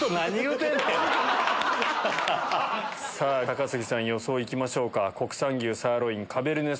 高杉さん予想行きましょうか。